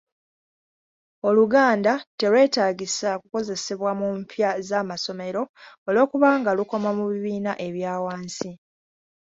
Oluganda terwetaagisa kukozesabwa mu mpya z'amasomero olw'okubanga lukoma mu bibiina ebya wansi.